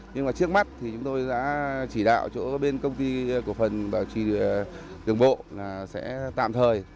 nhưng mà trước mắt thì chúng tôi đã chỉ đạo chỗ bên công ty cổ phần bảo trì đường bộ là sẽ tạm thời